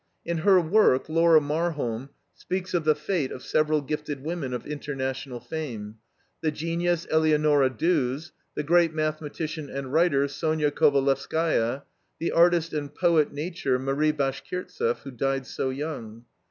In her work Laura Marholm speaks of the fate of several gifted women of international fame: the genius, Eleonora Duse; the great mathematician and writer, Sonya Kovalevskaia; the artist and poet nature, Marie Bashkirtzeff, who died so young.